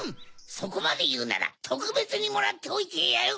そこまでいうならとくべつにもらっておいてやる。